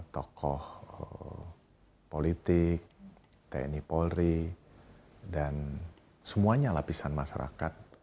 tokoh politik tni polri dan semuanya lapisan masyarakat